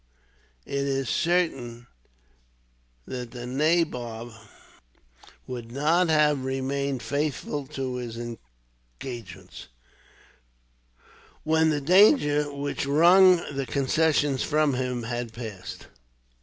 It is certain that the nabob would not have remained faithful to his engagements, when the danger which wrung the concessions from him had passed.